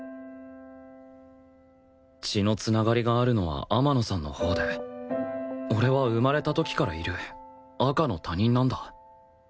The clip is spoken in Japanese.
血の繋がりがあるのは天野さんのほうで俺は生まれた時からいる赤の他人なんだ